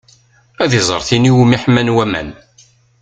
Ad iẓer tin iwumi ḥman waman.